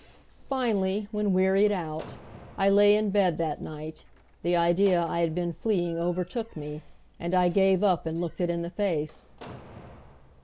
Finally, when wearied out, I lay in bed that night, the idea I had been fleeing overtook me; and I gave up and looked it in the face.